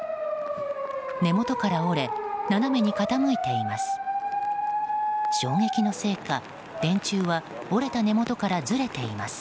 根元から折れ斜めに傾いています。